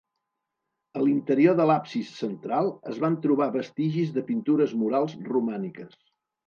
A l'interior de l'absis central es van trobar vestigis de pintures murals romàniques.